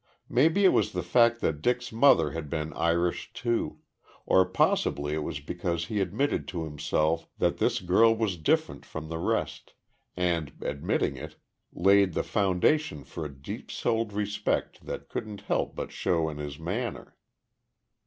Maybe it was the fact that Dick's mother had been Irish, too, or possibly it was because he admitted to himself that this girl was different from the rest, and, admitting it, laid the foundation for a deep souled respect that couldn't help but show in his manner.